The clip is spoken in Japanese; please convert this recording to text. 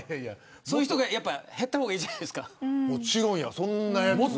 そういう人が減った方がいいじゃないでもちろんや、そんなやつ。